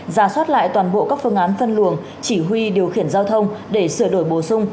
ra soát lại toàn bộ các phương án phân luồng chỉ huy điều khiển giao thông để sửa đổi bổ sung